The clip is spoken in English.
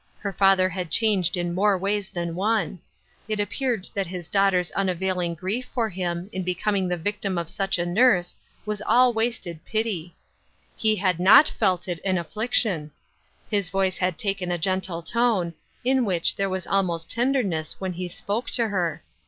Her father had changed in more ways than one. It appeared that his daughter's unavailing grief for him, in becoming the victiiu of such a nurse, was all wasted pity 220 Ruth Erskine's Crosses, He had not felt it an infliction. His voice Lad taken a gentle tone, in which there was almost tenderness, when he spoke to her.